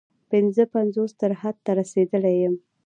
پنځه پنځوس تر حد ته رسېدلی یم.